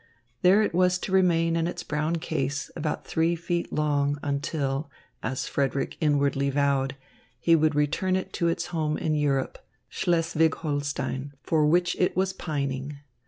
There it was to remain in its brown case about three feet long until, as Frederick inwardly vowed, he would return it to its home in Europe, Schleswig Holstein, for which it was pining.